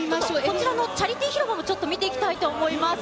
こちらのチャリティー広場もちょっと見ていきたいと思います。